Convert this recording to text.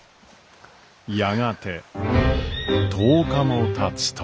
やがて１０日もたつと。